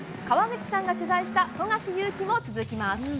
川口さんが取材した富樫勇樹も続きます。